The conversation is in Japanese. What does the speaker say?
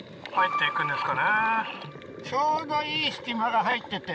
ちょうどいい隙間が入ってて。